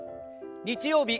日曜日